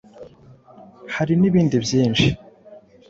Hari n’ibindi byinshi